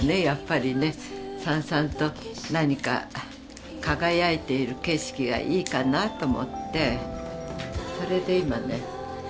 やっぱりねさんさんと何か輝いている景色がいいかなと思ってそれで今ね